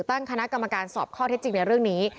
ตั้งคณะกรรมการสอบข้อเท็จจริงในเรื่องนี้